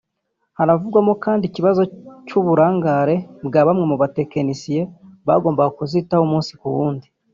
Haravugwamo kandi ikibazo cy’uburangare bwa bamwe mu batekinisiye bagombaga kuzitaho umunsi ku wundi